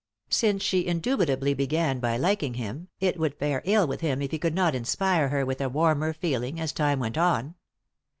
Since she indubitably began by liking him it would fare ill with him if he could not inspire her with a warmer feeling as time went on.